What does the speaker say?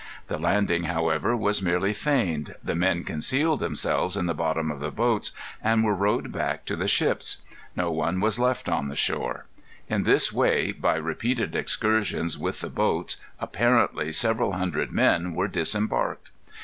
The landing, however, was merely feigned. The men concealed themselves in the bottom of the boats, and were rowed back to the ships. Not one was left on the shore. In this way, by repeated excursions with the boats, apparently several hundred men were disembarked.